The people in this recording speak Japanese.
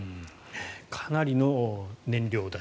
かなりの燃料代。